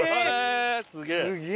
すげえ！